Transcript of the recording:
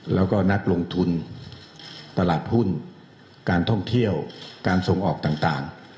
แล้วก็นักลงทุนตลาดหุ้นการท่องเที่ยวการส่งออกต่าง